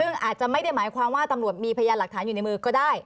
ซึ่งอาจจะไม่ได้หมายความว่าตำรวจมีพยานหลักฐานอยู่ในมือก็ได้